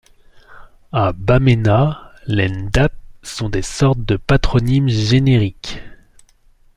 À Bamena, les Ndap sont des sortes de patronymes génériques.